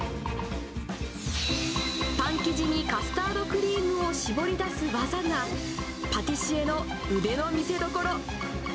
パン生地にカスタードクリームを絞り出す技が、パティシエの腕の見せどころ。